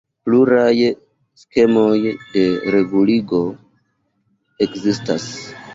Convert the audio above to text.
Pluraj skemoj de reguligo ekzistas.